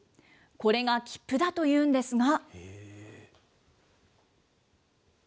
これが切符だというんですが。